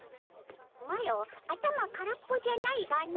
マロ頭空っぽじゃないがの。